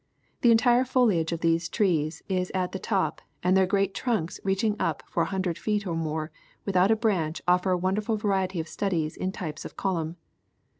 The entire foliage of these trees is at the top and their great trunks reaching up for a hundred feet or more without a branch offer a wonderful variety of studies in types of column.